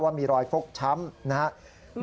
มีรอยฟกช้ำนะครับ